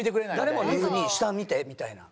誰も見ずに下見てみたいな。